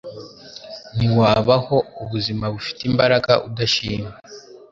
Ntiwabaho ubuzima bufite imbaraga udashima